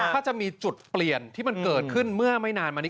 ถ้าจะมีจุดเปลี่ยนที่มันเกิดขึ้นเมื่อไม่นานมานี้